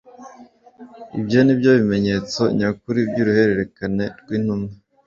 ibyo ni byo bimenyetso nyakuri by'uruhererekane rw'intumwa.